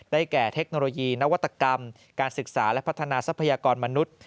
แก่เทคโนโลยีนวัตกรรมการศึกษาและพัฒนาทรัพยากรมนุษย์